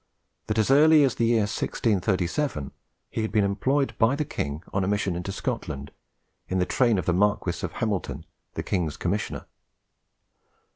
that as early as the year 1637 he had been employed by the King on a mission into Scotland, in the train of the Marquis of Hamilton, the King's Commissioner.